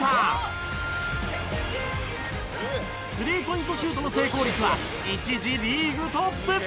３ポイントシュートの成功率は一時リーグトップ！